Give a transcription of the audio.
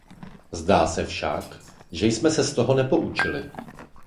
Zdá se však, že jsme se z toho nepoučili.